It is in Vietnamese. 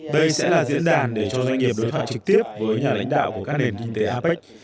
đây sẽ là diễn đàn để cho doanh nghiệp đối thoại trực tiếp với nhà lãnh đạo của các nền kinh tế apec